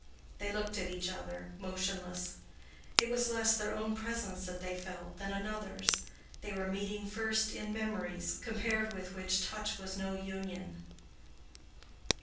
They looked at each other, motionless. It was less their own presence that they felt than another's; they were meeting first in memories, compared with which touch was no union.